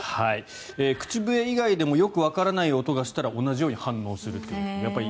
口笛以外でもよくわからない音がしたら同じように反応するという。